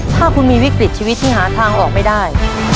ถ้าคุณมีวิกฤตชีวิตที่หาทางออกไม่ได้